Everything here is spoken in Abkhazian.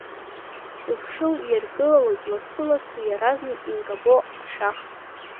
Сыхшыҩ иаргылалоит лассы-ласс иаразнак инкабо ашәах.